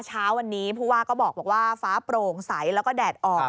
เช้าวันนี้ผู้ว่าก็บอกว่าฟ้าโปร่งใสแล้วก็แดดออก